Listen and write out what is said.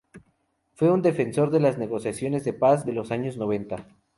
Fue un defensor de las negociaciones de paz de los años noventa.